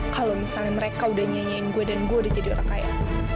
kalau misalnya mereka udah nyanyiin gue dan gue udah jadi orang kaya